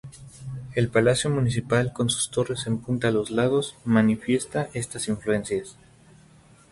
El Palacio Municipal con sus torres en punta a los lados, manifiesta estas influencias.